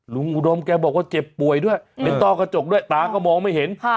อุดมแกบอกว่าเจ็บป่วยด้วยเป็นต้อกระจกด้วยตาก็มองไม่เห็น